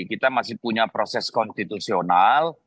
kita masih punya proses konstitusional